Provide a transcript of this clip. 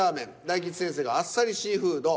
大吉先生が「あっさりシーフード」。